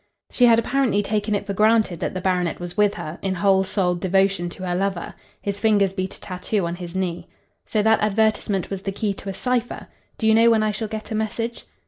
She had apparently taken it for granted that the baronet was with her in whole souled devotion to her lover. His fingers beat a tattoo on his knee. "So that advertisement was the key to a cipher? Do you know when I shall get a message?"